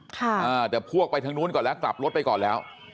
แต่พวกไปทางนู้นก่อนแล้วกลับรถไปก่อนแล้ว